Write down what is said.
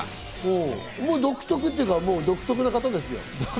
独特っていうか独特な方ですよ。